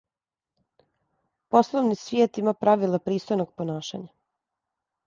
Пословни свијет има правила пристојног понашања.